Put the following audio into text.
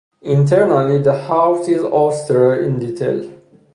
Internally the house is austere in detail.